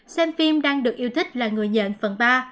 xem phim đang được yêu thích là người nhận phần ba